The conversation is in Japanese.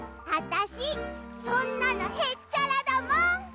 あたしそんなのへっちゃらだもん！